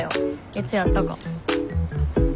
いつやったか。